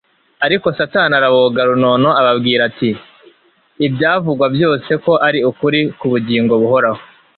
ariko Satani araboga runono ababwira ati: Ibyavugwa byose ko ari ukuri ku bugingo buhoraho;